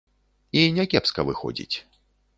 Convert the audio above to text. І не кепска выходзіць.